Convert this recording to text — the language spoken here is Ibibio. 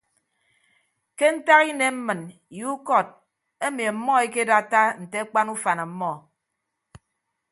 Ke ntak inem mmịn ye ukọt emi ọmmọ ekedatta nte akpan ufan ọmmọ.